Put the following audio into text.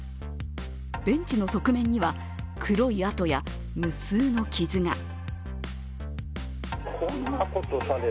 ベンチの側面には黒い跡や、無数の傷が。